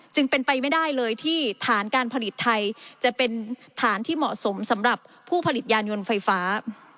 จึงเป็นไปไม่ได้เลยที่ฐานการผลิตไทยจะเป็นฐานที่เหมาะสมสำหรับผู้ผลิตยานยนต์ไฟฟ้า